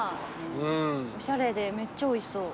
おしゃれでめっちゃおいしそう。